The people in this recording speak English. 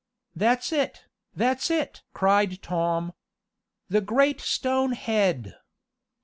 "That's it! That's it!" cried Tom. "The great stone head!"